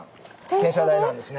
転車台なんですね。